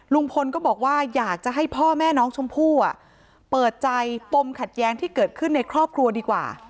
ลุงพลก็บอกว่าอยากจะให้พ่อแม่น้องชมพู่เปิดใจปมขัดแย้งที่เกิดขึ้นในครอบครัวดีกว่า